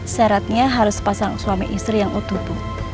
syaratnya harus pasang suami istri yang utuh bu